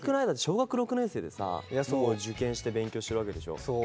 だって小学６年生でさもう受験して勉強してるわけでしょ。